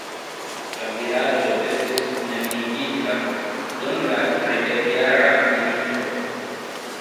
La vilaĝo estis neniigita dum la tridekjara milito.